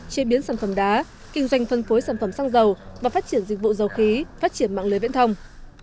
chế biến sản phẩm đá kinh doanh phân phối sản phẩm xăng dầu và phát triển dịch vụ dầu khí phát triển mạng lưới viễn thông